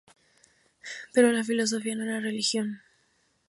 Pero la filosofía no era religión.